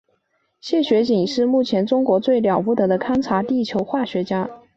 谢学锦是目前中国最了不得的勘察地球化学家。